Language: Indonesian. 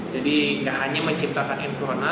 jadi gak hanya menciptakan n corona